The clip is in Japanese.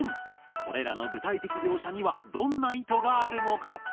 これらの具体的描写にはどんな意図があるのか？